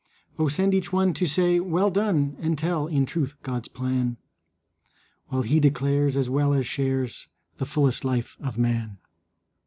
Oh, send such one to say, 'Well done,' And tell in truth God's plan, While he declares as well as shares The fullest life of man."